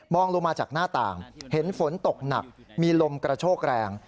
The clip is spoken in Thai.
ลงมาจากหน้าต่างเห็นฝนตกหนักมีลมกระโชกแรง